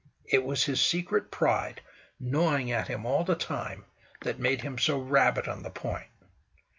It was his secret pride, gnawing at him all the time, that made him so rabid on the point.